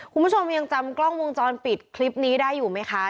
คุณผู้ชมยังจำกล้องวงจรปิดคลิปนี้ได้อยู่ไหมคะ